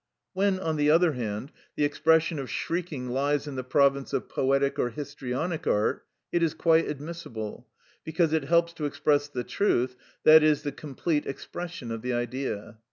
When, on the other hand, the expression of shrieking lies in the province of poetic or histrionic art, it is quite admissible, because it helps to express the truth, i.e., the complete expression of the Idea.